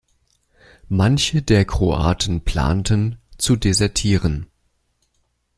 Manche der Kroaten planten, zu desertieren.